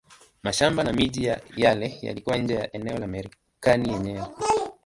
Mashamba na miji yale yalikuwa nje ya eneo la Marekani yenyewe.